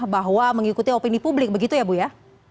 bahwa mengikuti opini publik begitu ya bu ya